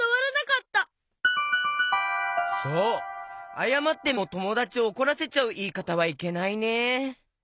あやまってもともだちをおこらせちゃういいかたはいけないね。